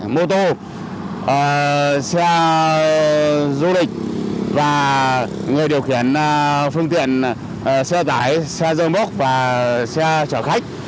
mô tô xe du lịch và người điều khiển phương tiện xe giải xe dân bố và xe chở khách